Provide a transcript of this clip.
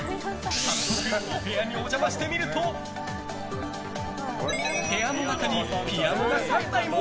早速、お部屋にお邪魔してみると部屋の中にピアノが３台も。